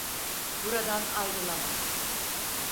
Buradan ayrılamam.